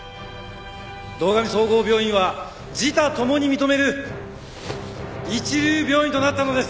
堂上総合病院は自他共に認める一流病院となったのです。